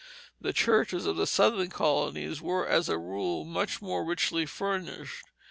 The churches of the Southern colonies were, as a rule, much more richly furnished.